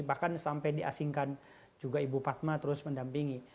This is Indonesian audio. bahkan sampai diasingkan juga ibu padma terus mendampingi